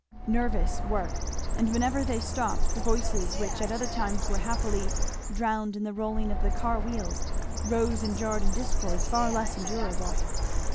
Nervous work; and whenever they stopped the voices which at other times were happily drowned in the rolling of the car wheels, rose and jarred in discords far less endurable.